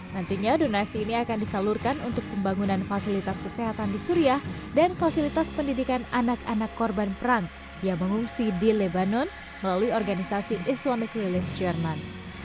nantinya donasi ini akan disalurkan untuk pembangunan fasilitas kesehatan di suriah dan fasilitas pendidikan anak anak korban perang yang mengungsi di lebanon melalui organisasi islamic relief jerman